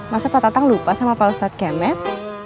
masa pak tatang lupa sama pak ustadz kembet